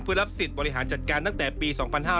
เพื่อรับสิทธิ์บริหารจัดการตั้งแต่ปี๒๕๕๙